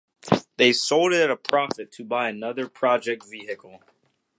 They sold it at a profit to buy another project vehicle.